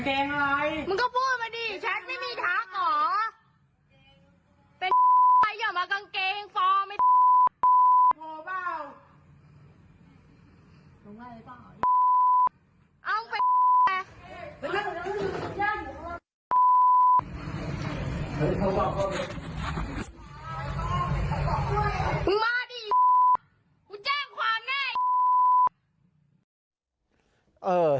อุ้ยแจ้งขวานแห้ง